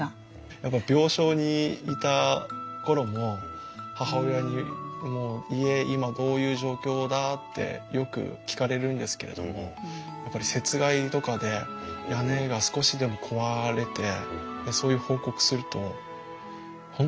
やっぱり病床にいた頃も母親にもう家今どういう状況だ？ってよく聞かれるんですけれどもやっぱり雪害とかで屋根が少しでも壊れてそういう報告すると本当その悲しそう。